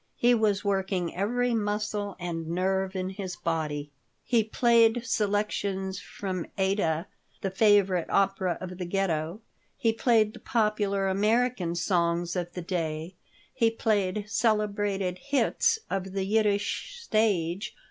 He was working every muscle and nerve in his body. He played selections from "Aïda," the favorite opera of the Ghetto; he played the popular American songs of the day; he played celebrated "hits" of the Yiddish stage.